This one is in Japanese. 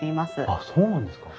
あっそうなんですか。